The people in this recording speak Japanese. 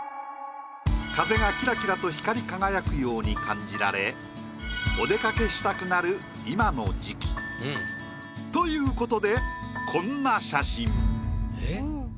風がキラキラと光り輝くように感じられお出かけしたくなる今の時期。ということでこんな写真。